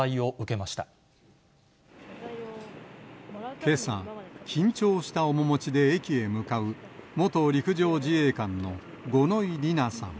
けさ、緊張した面持ちで駅へ向かう元陸上自衛官の五ノ井里奈さん。